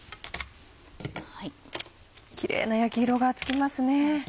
キレイな焼き色がつきますね。